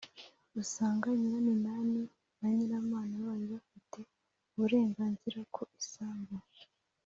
usanga nyiraminani na nyiramana bari bafite uburenganzira ku isambu